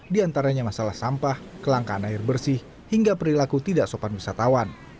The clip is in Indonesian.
di antaranya masalah sampah kelangkaan air bersih hingga perilaku tidak sopan wisatawan